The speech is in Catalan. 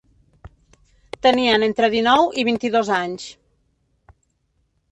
Tenien entre dinou i vint-i-dos anys.